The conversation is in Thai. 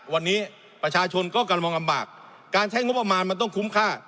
วันนี้ประชาชนก็กำลังมองลำบากการใช้งบประมาณมันต้องคุ้มค่า